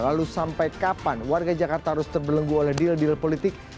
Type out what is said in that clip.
lalu sampai kapan warga jakarta harus terbelenggu oleh deal deal politik